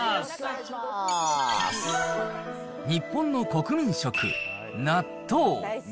日本の国民食、納豆。